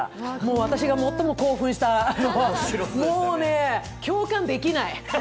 私が最も興奮した、もうね、共感できない。